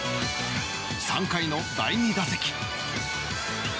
３回の第２打席。